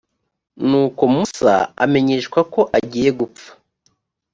nuko musa amenyeshwa ko agiye gupfa